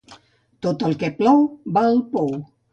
Tot el que plou va al pou.